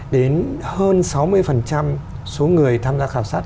đến hơn sáu mươi số người tham gia khảo sát